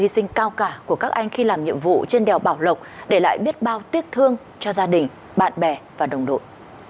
sinh cao cả của các anh khi làm nhiệm vụ trên đèo bảo lộc để lại biết bao tiếc thương cho gia đình bạn bè và đồng đội